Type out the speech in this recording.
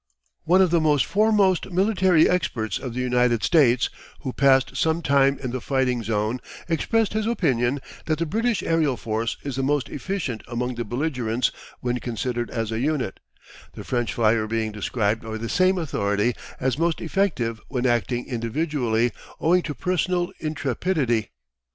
One of the foremost military experts of the United States, who passed some time in the fighting zone, expressed his opinion that the British aerial force is the most efficient among the belligerents when considered as a unit, the French flier being described by the same authority as most effective when acting individually, owing to personal intrepidity.